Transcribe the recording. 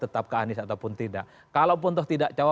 tetap ke anis ataupun tidak